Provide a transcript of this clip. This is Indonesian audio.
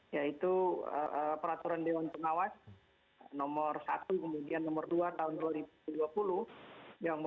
yaitu peraturan dewan pengawas nomor satu kemudian nomor dua tahun dua ribu dua puluh